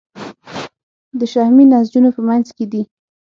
د شحمي نسجونو په منځ کې دي.